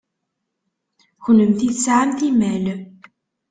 Kennemti tesɛamt imal.